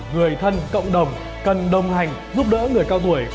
người thân cộng đồng cần đồng hành giúp đỡ người cao tuổi